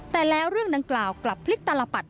แต่แล้วเรื่องดังกล่าวกลับพลิกตลปัด